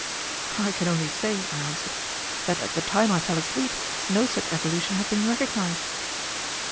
"I can only say," I answered, "that at the time I fell asleep no such evolution had been recognized."